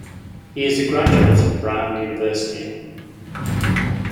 He is a graduate of Brown University.